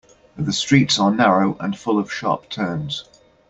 The streets are narrow and full of sharp turns.